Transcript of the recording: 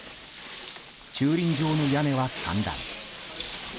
駐輪場の屋根は散乱。